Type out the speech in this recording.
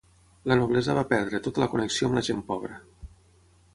La noblesa va perdre tota la connexió amb la gent pobra.